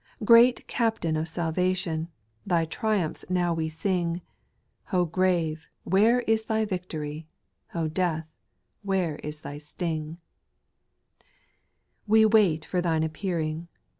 Great Captain of salvation. Thy triumphs now we sing ; O grave ! where is thy victory ? death I where is thy sting f 4. We wait for Thine appearing.